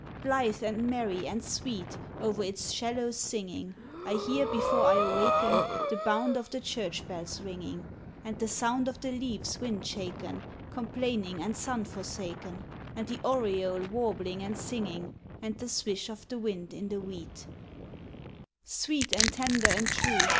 Blithe and merry and sweet Over its shallows singing, I hear before I awaken The Bound of the church bells ringing, And the sound of the leaves wind shaken, Complaining and sun forsaken, And the oriole warbling and singing, And the swish of the wind in the wheat Sweet and tender and true!